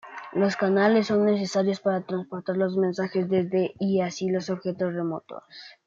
Los canales son necesarios para transportar los mensajes desde y hacia los objetos remotos.